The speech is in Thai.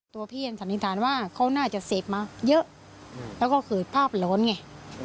ตัวพี่ยังสันนิษฐานว่าเขาน่าจะเสพมาเยอะแล้วก็เกิดภาพร้อนไง